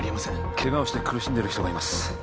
ケガをして苦しんでる人がいます